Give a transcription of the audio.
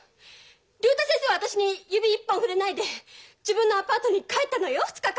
竜太先生は私に指一本触れないで自分のアパートに帰ったのよ２日間とも。